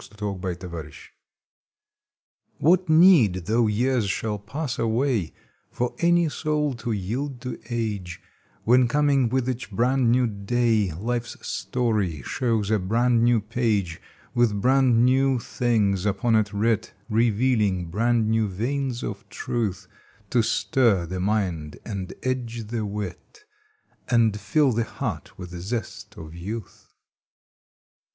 July Sixteenth AGE PROOF A\7HAT need, though years shall pass away, For any soul to yield to age, When coming with each brand new day Life s story shows a brand new page, With brand new things upon it writ, Revealing brand new veins of truth To stir the mind and edge the wit, And fill the heart with zest of youth?